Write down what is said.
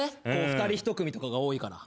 二人一組とかが多いから。